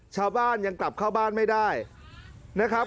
ชาวบ้านยังกลับเข้าบ้านไม่ได้นะครับ